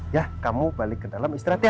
ya kamu balik ke dalam istirahat